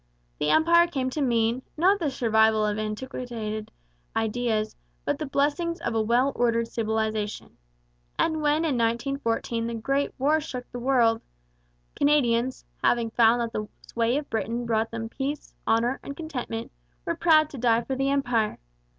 The Empire came to mean, not the survival of antiquated ideas, but the blessings of a well ordered civilization. And when in 1914 the Great War shook the world, Canadians, having found that the sway of Britain brought them peace, honour, and contentment, were proud to die for the Empire.